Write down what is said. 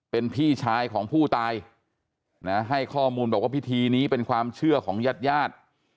เป็นพี่ชายของผู้ตายนะให้ข้อมูลบอกว่าพิธีนี้เป็นความเชื่อของญาติญาติ